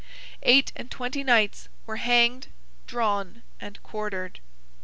Eight and twenty knights were hanged, drawn, and quartered.